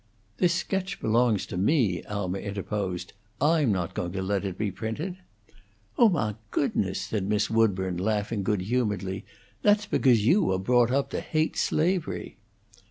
"This sketch belongs to me," Alma interposed. "I'm not going to let it be printed." "Oh, mah goodness!" said Miss Woodburn, laughing good humoredly. "That's becose you were brought up to hate slavery."